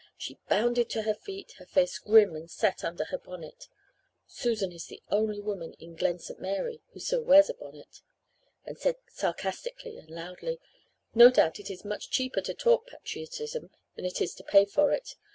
She bounded to her feet, her face grim and set under her bonnet Susan is the only woman in Glen St. Mary who still wears a bonnet and said sarcastically and loudly, 'No doubt it is much cheaper to talk patriotism than it is to pay for it.